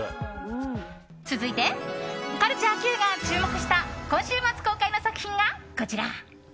続いて、カルチャーＱが注目した今週末公開の作品が、こちら。